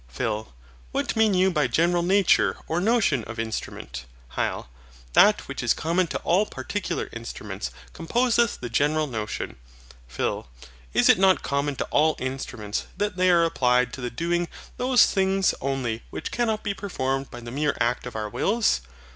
PHIL. What mean you by the general nature or notion of INSTRUMENT? HYL. That which is common to all particular instruments composeth the general notion. PHIL. Is it not common to all instruments, that they are applied to the doing those things only which cannot be performed by the mere act of our wills?